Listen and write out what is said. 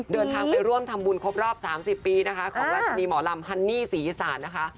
เดินทางไปร่วมทำบุญครบรอบ๓๐ปีนะคะของราชินีหมอลำฮันนี่ศรีอีสานนะคะ